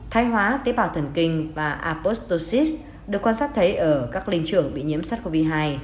thai hóa tế bào thần kinh và apostosis được quan sát thấy ở các linh trưởng bị nhiễm sars cov hai